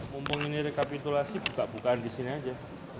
mumpung ini rekapitulasi buka bukaan di sini aja